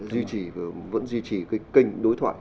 duy trì và vẫn duy trì cái kênh đối thoại